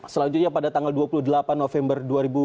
selanjutnya pada tanggal dua puluh delapan november dua ribu dua puluh